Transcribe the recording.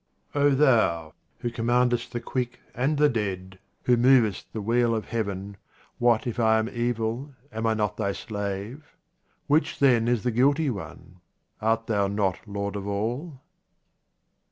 THOU who commandest the quick and the dead, who movest the wheel of heaven, what if 1 am evil, am I not Thy slave ? Which, then, is the guilty one ? Art Thou not Lord of all